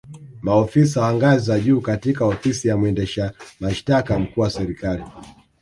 Maofisa wa ngazi za juu katika Ofisi ya mwendesha mashitaka mkuu wa Serikali